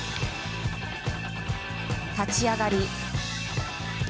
立ち上がり。